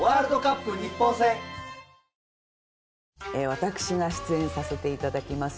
私が出演させて頂きます